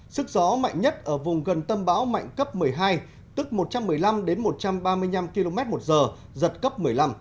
sức gió mạnh nhất ở vùng gần tâm bão mạnh cấp một mươi hai tức một trăm một mươi năm đến một trăm ba mươi năm km một giờ giật cấp một mươi năm